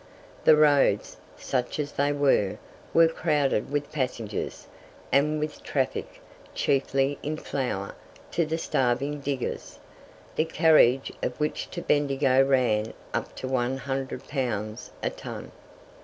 The roads, such as they were, were crowded with passengers; and with traffic, chiefly in flour, to the starving diggers, the carriage of which to Bendigo ran up to 100 pounds a ton.